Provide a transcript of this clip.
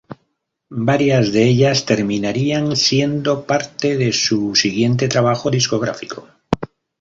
Varias de ellas terminarían siendo parte de su siguiente trabajo discográfico.